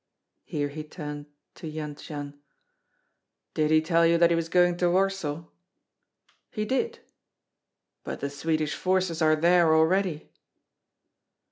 Here he turned to Jendzian: "Did he tell you that he was going to Warsaw?" "He did." "But the Swedish forces are there already."